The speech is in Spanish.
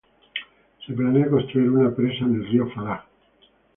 Se planea construir una presa en el río Farah.